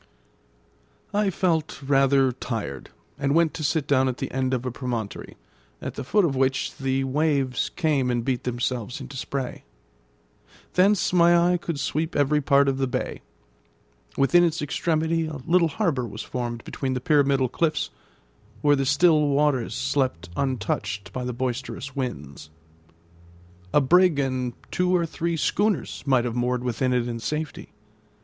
I felt rather tired, and went to sit down at the end of a promontory, at the foot of which the waves came and beat themselves into spray. Thence my eye could sweep every part of the bay; within its extremity a little harbour was formed between the pyramidal cliffs, where the still waters slept untouched by the boisterous winds. A brig and two or three schooners might have moored within it in safety.